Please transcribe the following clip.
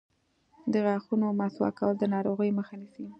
د غاښونو مسواک کول د ناروغیو مخه نیسي.